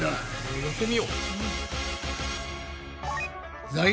やってみよう。